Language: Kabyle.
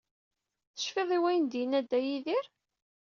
Tecfiḍ i wayen i d-yenna Dda Yidir?